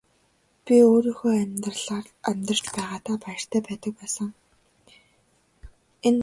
Би өөрийнхөө амьдралаар амьдарч байгаадаа баяртай байдаг байсан.